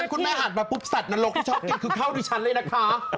ไม่งั้นคุณแม่หัดปุ๊บสัตว์นรกที่ชอบกินคือข้าวด้วยฉันเลยนะคะ